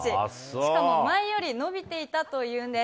しかも前より伸びていたというんです。